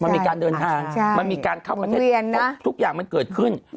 มันมีการเดินทางมันมีการเข้าประเทศทุกอย่างมันเกิดขึ้น